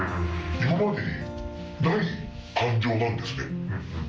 今までにない感情なんですね。